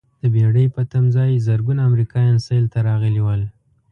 د بېړۍ په تمځاې زرګونه امریکایان سیل ته راغلي ول.